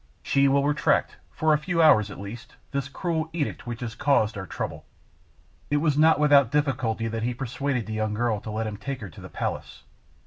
She will retract, for a few hours at least, this cruel edict which has caused our trouble." It was not without difficulty that he persuaded the young girl to let him take her to the palace.